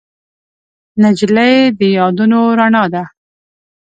نجلۍ د یادونو رڼا ده.